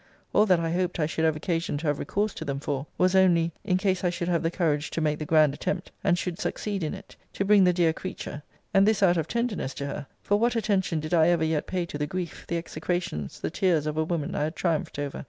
All that I hoped I should have occasion to have recourse to them for, was only, in case I should have the courage to make the grand attempt, and should succeed in it, to bring the dear creature [and this out of tenderness to her, for what attention did I ever yet pay to the grief, the execrations, the tears of a woman I had triumphed over?